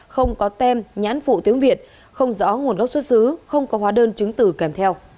không có tem nhãn phụ tiếng việt không rõ nguồn gốc xuất xứ không có hóa đơn chứng tử kèm theo